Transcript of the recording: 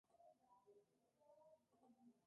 La fachada se revoca en color blanco.